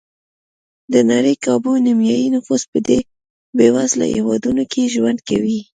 د نړۍ کابو نیمایي نفوس په دې بېوزله هېوادونو کې ژوند کوي.